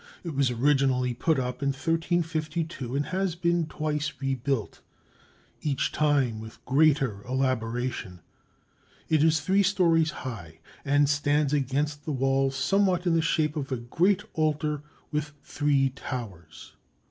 It was originally put up in 1352 and has been twice rebuilt, each time with greater elaboration. It is three stories high and stands against the wall somewhat in the shape of a great altar with three towers.